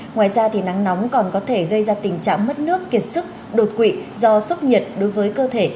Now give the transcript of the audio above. ngoài ra nắng nóng còn có thể gây ra tình trạng mất nước kiệt sức đột quỵ do sốc nhiệt đối với cơ thể